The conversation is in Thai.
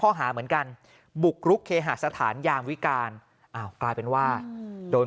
ข้อหาเหมือนกันบุกรุกเคหาสถานยามวิการอ้าวกลายเป็นว่าโดน